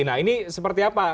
nah ini seperti apa